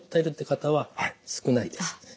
少ないんですね。